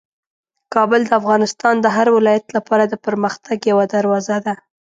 کابل د افغانستان د هر ولایت لپاره د پرمختګ یوه دروازه ده.